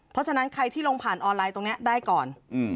เพราะฉะนั้นใครที่ลงผ่านออนไลน์ตรงนี้ได้ก่อน